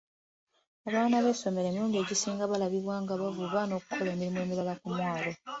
Abaana b'essomero emirundi egisinga balabibwa nga bavuba n'okukola emirimu emirala ku mwalo.